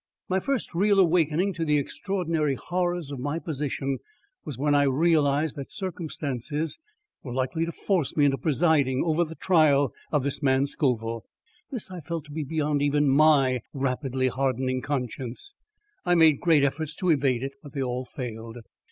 My first real awakening to the extraordinary horrors of my position was when I realised that circumstances were likely to force me into presiding over the trial of the man Scoville. This I felt to be beyond even my rapidly hardening conscience. I made great efforts to evade it, but they all failed.